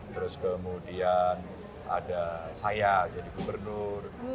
terus kemudian ada saya jadi gubernur